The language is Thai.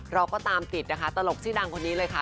เราก็ตามติดนะคะตลกชื่อดังคนนี้เลยค่ะ